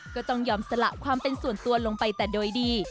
ก็ต้องยอมสละความเป็นส่วนตัวลงไปแต่โดยดี